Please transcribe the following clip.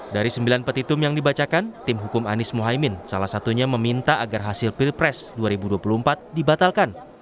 dari sembilan petitum yang dibacakan tim hukum anies mohaimin salah satunya meminta agar hasil pilpres dua ribu dua puluh empat dibatalkan